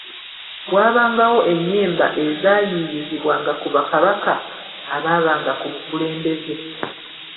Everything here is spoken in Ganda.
Waabangawo ennyimba ezayiiyiizibwanga ku Bakabaka abaabanga ku bukulembeze